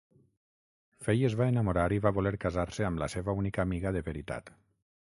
Fei es va enamorar i va voler casar-se amb la seva única amiga de veritat.